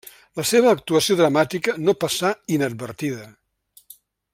La seva actuació dramàtica no passà inadvertida.